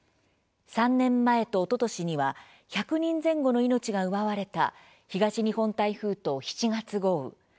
３年前とおととしには１００人前後の命が奪われた東日本台風と７月豪雨。